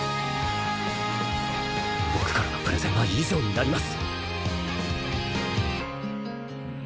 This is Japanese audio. ぼくからのプレゼンはいじょうになります！